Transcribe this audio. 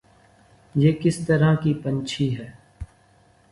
یہ کس طرح کی پنچھی ہے